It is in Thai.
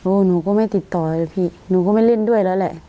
หนูก็ไม่ติดต่อเลยพี่หนูก็ไม่เล่นด้วยแล้วแหละ